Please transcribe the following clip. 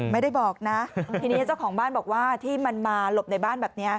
ไม่ได้บอกนะทีนี้เจ้าของบ้านบอกว่าที่มันมาหลบในบ้านแบบนี้